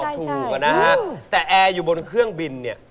แต่แอร์อยู่บนเครื่องบิน